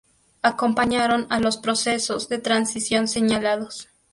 Acompañaron a los procesos de transición señalados.